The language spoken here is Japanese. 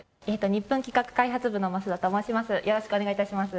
ニップン企画開発部の増田と申します